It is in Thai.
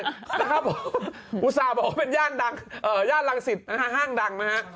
ครับผมอุตส่าห์บอกว่าเป็นย่านดังย่านรังสิตนะฮะห้างดังนะฮะ